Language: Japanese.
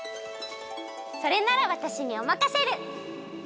それならわたしにおまかシェル！